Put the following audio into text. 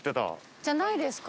じゃないですか？